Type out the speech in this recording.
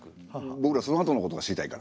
ぼくらそのあとのことが知りたいから。